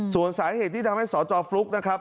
ส่วนสาเหตุที่ทำให้สจฟลุ๊กนะครับ